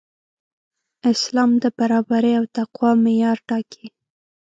اسلام د برابرۍ او تقوی معیار ټاکي.